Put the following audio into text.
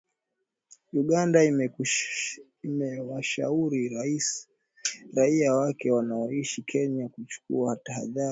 Uganda imewashauri raia wake wanaoishi Kenya kuchukua tahadhari